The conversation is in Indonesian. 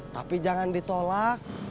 tapi jangan ditolak